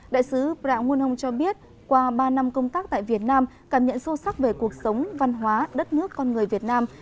đại sứ prangun hong cho biết qua ba năm công tác tại việt nam cảm nhận sâu sắc về cuộc sống văn hóa đất nước con người việt nam